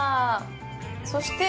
そして。